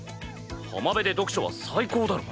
浜辺で読書は最高だろ。